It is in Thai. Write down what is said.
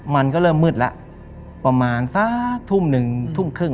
มันก็เริ่มมืดแล้วประมาณสักทุ่มหนึ่งทุ่มครึ่ง